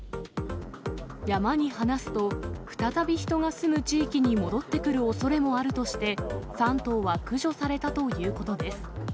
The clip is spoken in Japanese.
山に放すと、再び人が住む地域に戻ってくるおそれもあるとして、３頭は駆除されたということです。